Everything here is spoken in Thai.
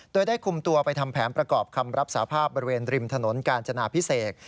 โดยได้คุมตัวไปทำแผนประกอบคำรับสาภาพบริเวณริมถนนกาญจนาพิเศษ